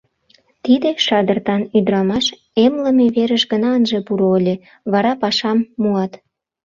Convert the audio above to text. Тиде шадыртан ӱдырамаш эмлыме верыш гына ынже пуро ыле, вара пашам муат.